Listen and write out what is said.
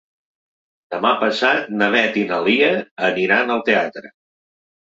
Demà passat na Beth i na Lia aniran al teatre.